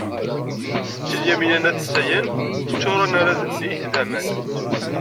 Setti Lyamina n At Ḥsayen teccuṛ anarad-nni d aman.